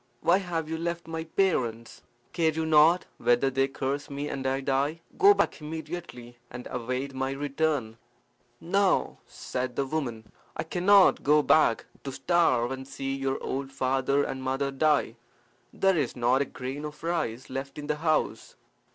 "Why have you left my parents? Care you not whether they curse me and I die? Go back immediately, and await my return." "No, no," said the woman. "I cannot go back to starve and see your old father and mother die. There is not a grain of rice left in the house."